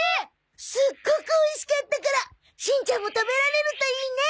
すっごくおいしかったからしんちゃんも食べられるといいね。